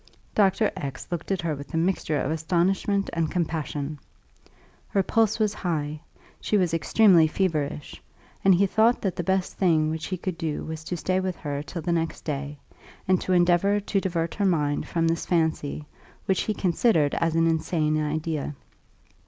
Dr. X looked at her with a mixture of astonishment and compassion. Her pulse was high, she was extremely feverish, and he thought that the best thing which he could do was to stay with her till the next day, and to endeavour to divert her mind from this fancy, which he considered as an insane idea.